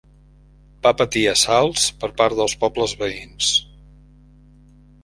Va patir assalts per part dels pobles veïns.